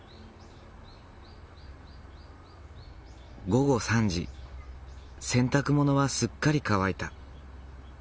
午後３時洗濯物はすっかり乾いた。